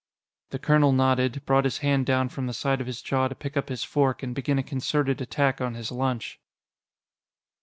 The colonel nodded, brought his hand down from the side of his jaw to pick up his fork and begin a concerted attack on his lunch.